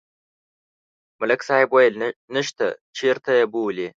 ملک صاحب ویل: نشته، چېرته یې بولي؟